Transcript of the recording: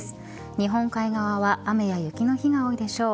日本海側は雨や雪の日が多いでしょう。